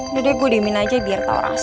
udah deh gue diemin aja biar tau rasa